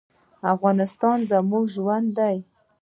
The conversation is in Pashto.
افغانستان زما ژوند دی